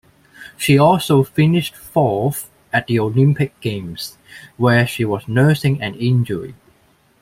She also finished fourth at the Olympic Games, where she was nursing an injury.